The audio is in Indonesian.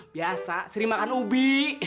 biasa sering makan ubi